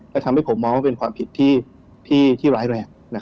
และทำให้ผมมองว่าเป็นความผิดที่ร้ายแรง